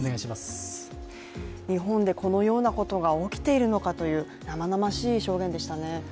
日本でこのようなことが起きているのかという生々しい証言でしたね。